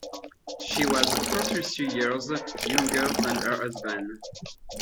She was forty-three years younger than her husband.